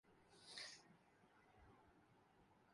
قدیم اسلام ہمیشہ جدید ہوتا ہے۔